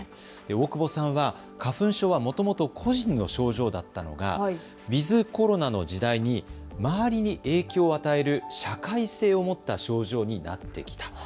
大久保さんは、花粉症はもともと個人の症状だったのが、ウィズコロナの時代に周りに影響を与える社会性を持った症状になってきた。